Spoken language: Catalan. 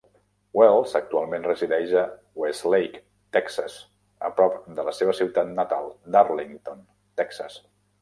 Wells actualment resideix a Westlake, Texas, a prop de la seva ciutat natal d'Arlington, Texas.